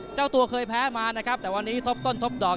เจ้าตัวเคยแพ้มานะครับแต่วันนี้ทบต้นทบดอก